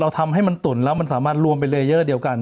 เราทำให้มันตุ่นและมันสามารถรวมไปเรยเยอเดียวกัน